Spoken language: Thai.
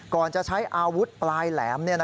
ก่อนจะใช้อาวุธปลายแหลม